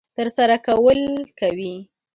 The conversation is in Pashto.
ترسره کول کوي.